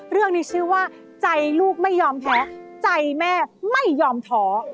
เรื่องนี้ชื่อว่าใจลูกไม่ยอมแพ้ใจแม่ไม่ยอมท้อ